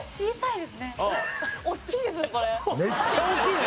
めっちゃ大きいね！